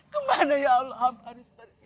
kemana ya allah hamba harus pergi